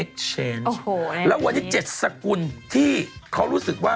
โอ้โหอันนี้แล้ววันนี้๗สกุลที่เขารู้สึกว่า